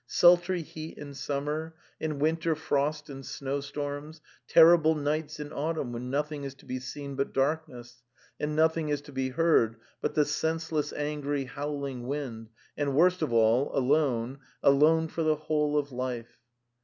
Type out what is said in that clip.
Sultry heat in summer, in winter frost and snowstorms, ter rible nights in autumn when nothing is to be seen but darkness and nothing is to be heard but the senseless angry howling wind, and, worst of all, alone, alone forthe) whole jor Pife.